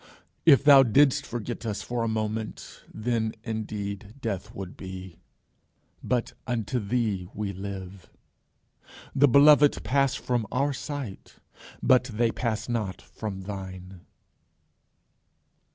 If thou didst forget us for a moment then indeed death would be. But unto thee we live. The beloved pass from our sight, but they pass not from thine.